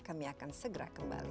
kami akan segera kembali